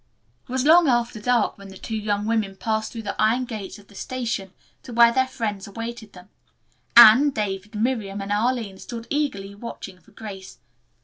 It was long after dark when the two young women passed through the iron gates of the station to where their friends awaited them. Anne, David, Miriam and Arline stood eagerly watching for Grace.